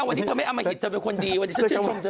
วันนี้เธอไม่อมหิตเธอเป็นคนดีวันนี้ฉันชื่นชมเธอ